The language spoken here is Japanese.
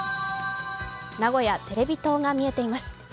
名古屋テレビ塔がみえています。